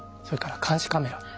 それから監視カメラ。